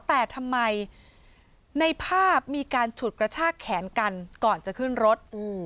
แต่ทำไมในภาพมีการฉุดกระชากแขนกันก่อนจะขึ้นรถ